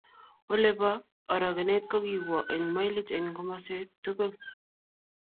ole bo orokenet ko kiwo eng mailit eng komoswek tugul